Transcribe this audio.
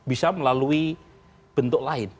bisa melalui bentuk lain